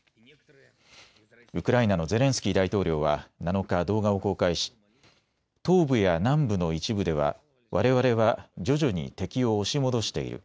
ウクライナのゼレンスキー大統領は７日、動画を公開し、東部や南部の一部ではわれわれは徐々に敵を押し戻している。